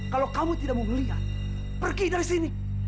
kalau kamu tidak mau melihat pergi dari sini